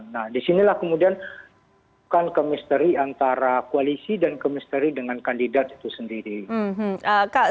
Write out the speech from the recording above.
nah disinilah kemudian bukan ke misteri antara koalisi dan ke misteri dengan kandidat itu sendiri